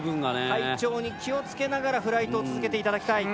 体調に気を付けながらフライトを続けて頂きたい。